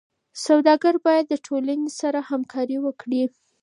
سوداګر باید د ټولنې سره همکاري وکړي.